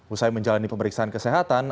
usai menjalani pemeriksaan kesehatan